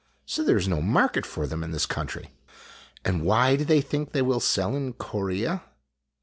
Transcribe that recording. So there is no market for them in this country." "And why do they think they will sell in Corea?"